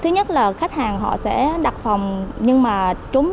thứ nhất là khách hàng họ sẽ đặt phòng nhưng mà chúng